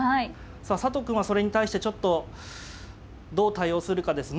さあ佐藤くんはそれに対してちょっとどう対応するかです。